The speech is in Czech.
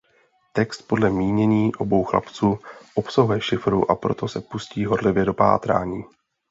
Text podle mínění obou chlapců obsahuje šifru a proto se pustí horlivě do pátrání.